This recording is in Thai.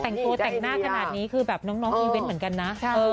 แต่งตัวแต่งหน้าขนาดนี้คือแบบน้องอีเวนต์เหมือนกันนะ